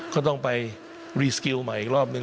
ก็ต้องไปรีสกิลใหม่อีกรอบหนึ่ง